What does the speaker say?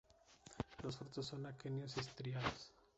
Los frutos son aquenios estriados.